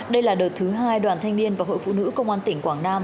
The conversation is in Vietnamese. đây là đợt thứ hai đoàn thanh niên và hội phụ nữ công an tỉnh quảng nam